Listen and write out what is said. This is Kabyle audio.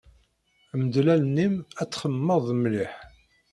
Mdel allen-im ad txemmmeḍ mliḥ.